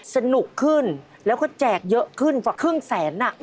สนุกขึ้นแล้วก็แจกเยอะขึ้นกว่าครึ่งแสน